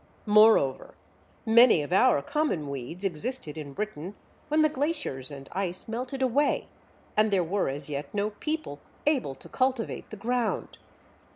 Moreover, many of our common weeds existed in Britain when the glaciers and ice melted away, and there were as yet no people able to cultivate the ground.